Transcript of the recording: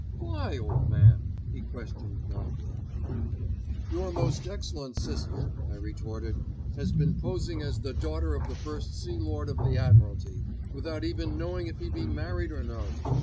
"Why, old man?" he questioned blankly. "Your most excellent sister," I retorted, "has been posing as the daughter of the First Sea Lord of the Admiralty, without even knowing if he be married or no.